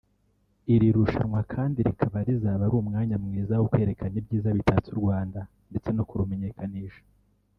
Iri rushanwa kandi rikaba rizaba ari umwanya mwiza wo kwerekana ibyiza bitatse u Rwanda ndetse no kurumenyekanisha